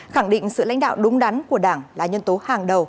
khẳng định sự lãnh đạo đúng đắn của đảng là nhân tố hàng đầu